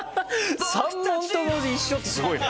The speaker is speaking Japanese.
３問とも一緒ってすごいね。